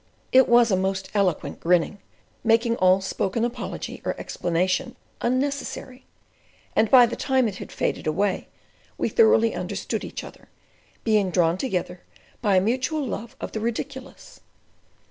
It was a most eloquent grinning, making all spoken apology or explanation unnecessary; and by the time it had faded away we thoroughly understood each other, being drawn together by a mutual love of the ridiculous.